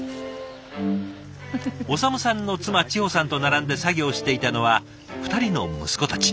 長武さんの妻千穂さんと並んで作業していたのは２人の息子たち。